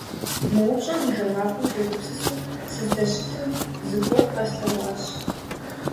Мы упщӀэм и жэуапым сегупсысу сыздэщытым, зыгуэр къэслъэгъуащ.